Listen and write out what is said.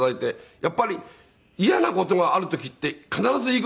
やっぱり嫌な事がある時って必ずいい事が来ますから。